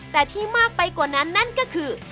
แต่ที่มากไปกว่านั้นนั่นก็คือ